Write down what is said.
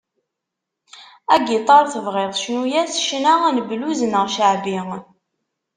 Agiṭar, tebɣiḍ cnu yess ccna n blues neɣ ceɛbi.